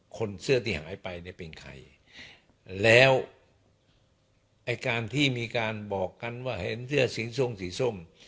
คนเสื้อที่หายไปเนี่ยเป็นใครแล้วไอ้การที่มีการบอกกันว่าเห็นเสื้อสีส้มสีส้ม